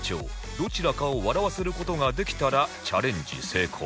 どちらかを笑わせる事ができたらチャレンジ成功